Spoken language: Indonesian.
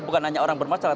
bukan hanya orang bermasalah